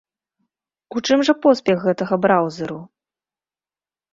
У чым жа поспех гэтага браўзэру?